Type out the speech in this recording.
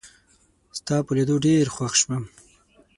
ستا په لیدو ډېر خوښ شوم